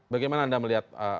bagaimana anda melihat